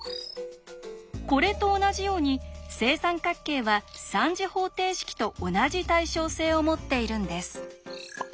これと同じように正三角形は３次方程式と同じ対称性を持っているんです。